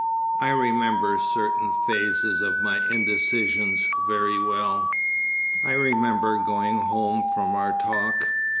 I remember certain phases of my indecisions very well. I remember going home from our talk.